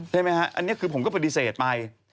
ใช่ไหมฮะอันนี้คือผมก็ปฏิเสธไป